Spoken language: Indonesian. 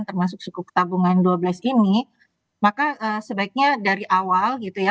termasuk suku tabungan dua belas ini maka sebaiknya dari awal gitu ya